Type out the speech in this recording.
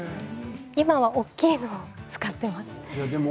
今は大きいものを使っています。